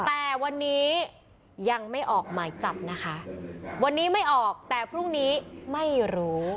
แต่วันนี้ยังไม่ออกหมายจับนะคะวันนี้ไม่ออกแต่พรุ่งนี้ไม่รู้